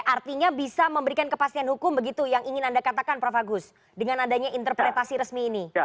artinya bisa memberikan kepastian hukum begitu yang ingin anda katakan prof agus dengan adanya interpretasi resmi ini